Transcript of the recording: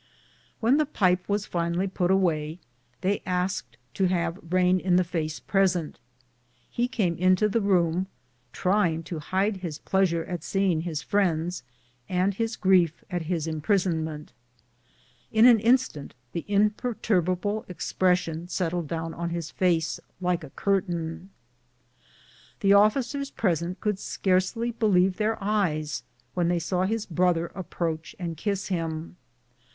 When the pipe was finally put away, they asked to have Rain in the face present. He came into the room, CAPTURE AND ESCAPE OF RAIN IN THE FACE. 213 trying to hide his pleasure at seeing his friends and his grief at his imprisonment. In an instant the imper turbable expression settled down on his face like a cur tain. The oflScers present could scarcely believe their eyes when they saw his brother approach and kiss him.